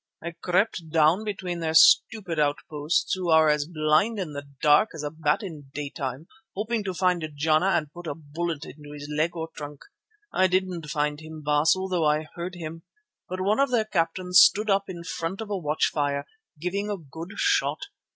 I crept down between their stupid outposts, who are as blind in the dark as a bat in daytime, hoping to find Jana and put a bullet into his leg or trunk. I didn't find him, Baas, although I heard him. But one of their captains stood up in front of a watchfire, giving a good shot.